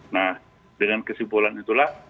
nah dengan kesimpulan itulah